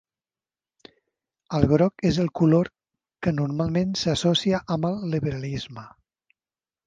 El groc és el color que normalment s"associa amb el liberalisme.